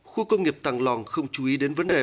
khu công nghiệp tàng lòng không chú ý đến vấn đề